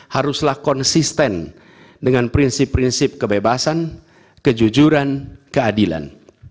haruslah konsisten dengan prinsip prinsip kebebasan kejujuran keadilan